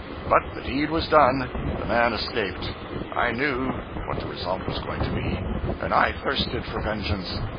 But the deed was done—the man escaped. I knew what the result was going to be, and I thirsted for vengeance.